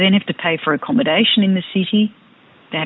anak anak mereka harus diperhatikan